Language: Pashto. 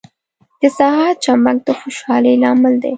• د سهار چمک د خوشحالۍ لامل دی.